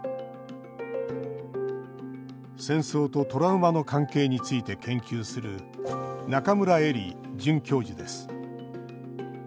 戦争とトラウマの関係について研究する中村江里准教授です